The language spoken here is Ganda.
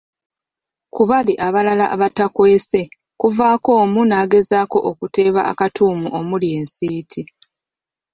Ku bali abalala abatakwese, kuvaako omu n’agezaako okuteeba akatuumu omuli ensiiti.